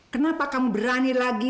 kenapa kamu berani lagi